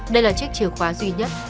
đây là chiếc chìa khóa duy nhất